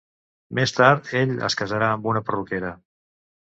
Més tard, ell es casarà amb una perruquera.